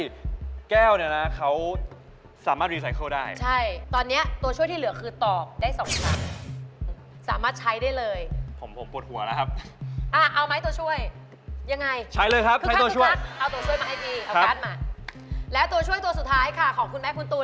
โอเคครับคุณถ้าคุณตอบสองครั้งแล้วอันนั้นถูกสุด